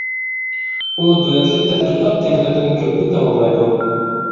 ئۇ دۆلەتلىك تەتقىقات تېمىلىرىدىن كۆپىنى تاماملايدۇ.